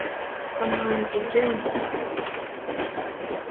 Kamanzi James